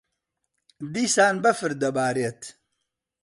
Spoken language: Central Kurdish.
دیسان بەفر دەبارێت.